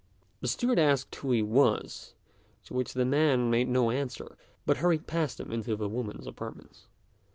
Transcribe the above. The steward asked who he was; to which the man made no answer, but hurried past him into the women's apartments.